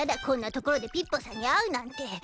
こんな所でピッポさんに会うなんて。